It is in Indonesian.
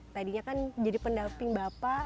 tadinya kan jadi pendamping bapak